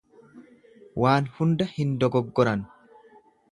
Waan hunda hin dogoggoran.